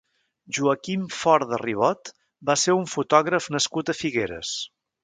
Joaquim Fort de Ribot va ser un fotògraf nascut a Figueres.